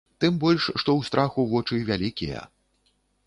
Тым больш, што ў страху вочы вялікія.